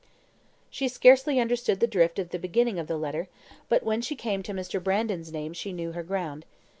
She scarcely understood the drift of the beginning of the letter, but when she came to Mr. Brandon's name she knew her ground.